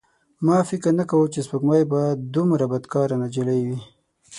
ما فکر نه کاوه چې سپوږمۍ به دومره بدکاره نجلۍ وي.